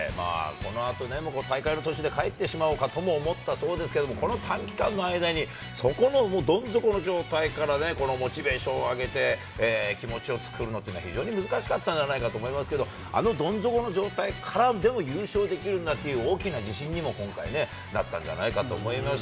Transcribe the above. その後、大会の途中で帰ってしまおうかとも思ったそうですけど、この短期間の間にどん底の状態からモチベーションを上げて気持ちを作るのっていうのは非常に難しかったんじゃないかと思いますけれども、どん底の状態からでも、優勝できるんだという大きな自信にもなったんじゃないかと思います。